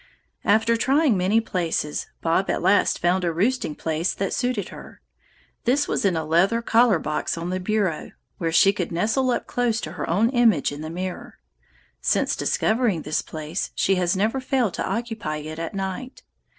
"After trying many places, Bob at last found a roosting place that suited her. This was in a leather collar box on the bureau, where she could nestle up close to her own image in the mirror. Since discovering this place she has never failed to occupy it at night.